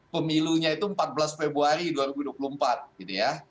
pemilunya itu empat belas februari dua ribu dua puluh empat gitu ya